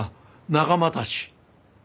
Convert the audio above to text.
仲間たち！